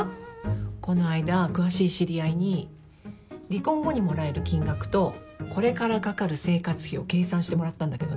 この間詳しい知り合いに離婚後にもらえる金額とこれからかかる生活費を計算してもらったんだけどね。